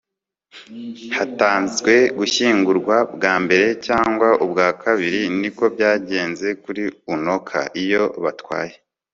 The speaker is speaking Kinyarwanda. hatanzwe gushyingurwa bwa mbere cyangwa ubwa kabiri. niko byagenze kuri unoka. iyo batwaye